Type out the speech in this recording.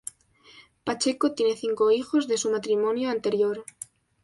Pacheco tiene cinco hijos de su matrimonio anterior.